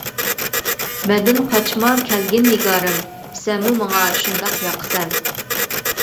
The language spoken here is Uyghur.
مەندىن قاچما كەلگىن نىگارىم، سەنمۇ ماڭا شۇنداق ياقىسەن.